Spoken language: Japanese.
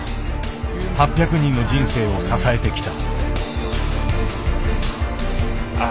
８００人の人生を支えてきた。